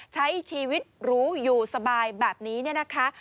ใช้ชีวิตหรูอยู่สบายแบบนี้เนี่ยนะคะ